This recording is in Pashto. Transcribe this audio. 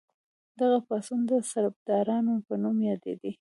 دغه پاڅون د سربدارانو په نوم یادیده.